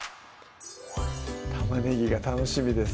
玉ねぎが楽しみです